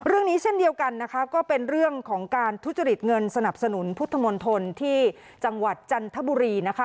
เช่นเดียวกันนะคะก็เป็นเรื่องของการทุจริตเงินสนับสนุนพุทธมนตรที่จังหวัดจันทบุรีนะคะ